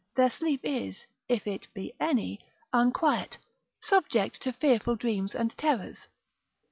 Their sleep is (if it be any) unquiet, subject to fearful dreams and terrors.